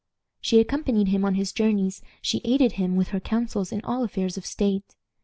She accompanied him on his journeys, she aided him with her counsels in all affairs of state.